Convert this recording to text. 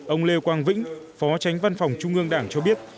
ông lê quang vĩnh phó tránh văn phòng trung ương đảng cho biết